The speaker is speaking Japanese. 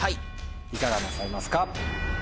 いかがなさいますか？